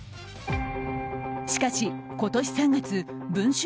しかし、今年３月文春